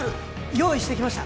用意してきました